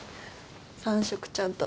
３食ちゃんと。